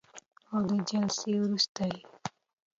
او د جلسې وروسته یې